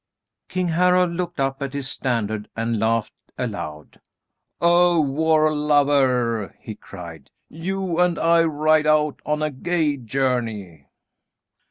King Harald looked up at his standard and laughed aloud. "Oh, War lover," he cried, "you and I ride out on a gay journey."